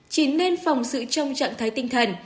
chỉ nên phòng sự trong trạng thái tinh thần